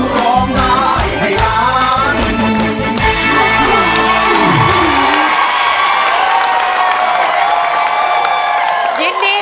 ร้องได้ร้องได้